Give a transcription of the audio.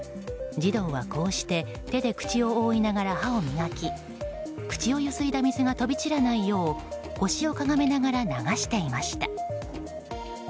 児童は、こうして手で口を覆いながら歯を磨き口をゆすいだ水が飛び散らないよう腰をかがめながら流していました。